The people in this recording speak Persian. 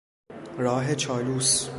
راه چالوس